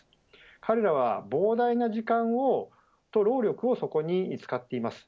彼らは膨大な時間と労力をそこに使っています。